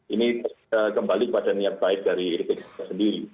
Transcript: ini kembali pada niat baik dari rizik sihab sendiri